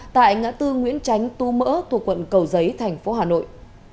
tại ngã tư nguyễn chánh tu mỡ thuộc quận cầu giấy thành phố hà nội